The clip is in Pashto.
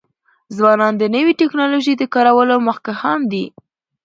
ځوانان د نوی ټکنالوژی د کارولو مخکښان دي.